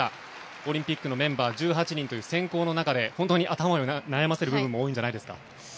オリンピックのメンバー１８人という選考の中で本当に頭を悩ませる部分も多いんじゃないですか？